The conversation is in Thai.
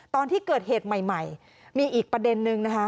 ตอนที่เกิดเหตุใหม่มีอีกประเด็นนึงนะคะ